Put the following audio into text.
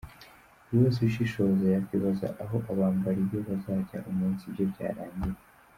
Buri wese ushishoza yakwibaza aho abambari be bazajya umunsi ibye byarangiye.